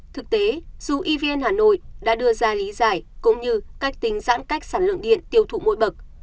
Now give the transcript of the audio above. thực tế dù evn hà nội đã đưa ra lý giải cũng như cách tính giãn cách sản lượng điện tiêu thụ mỗi bậc